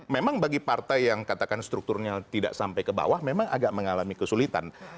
memang bagi partai yang katakan strukturnya tidak sampai ke bawah memang agak mengalami kesulitan